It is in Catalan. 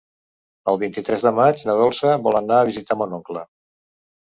El vint-i-tres de maig na Dolça vol anar a visitar mon oncle.